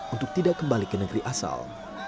untuk tidak kembali ke negeri asal